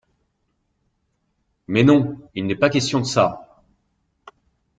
Mais non, il n’est pas question de ça.